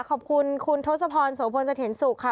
ขอบคุณคุณทศพรโสพลสะเทียนสุขค่ะ